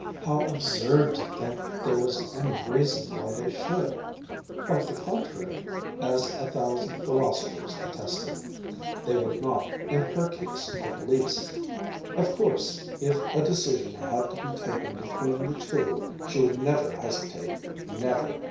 How absurd to think there was any reason why they should; quite the contrary, as a thousand philosophers attested. They would not in her case, at least! Of course, if a decision had to be taken between the two, she would never hesitate never!